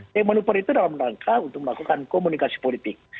yang menukar itu dalam rangka untuk melakukan komunikasi politik